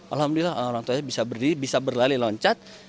alhamdulillah orang tua saya bisa berdiri bisa berlari loncat